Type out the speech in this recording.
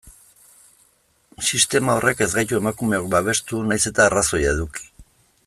Sistema horrek ez gaitu emakumeok babestu, nahiz eta arrazoia eduki.